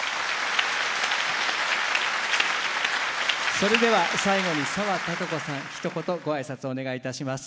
それでは最後に澤孝子さんひと言ご挨拶お願いいたします。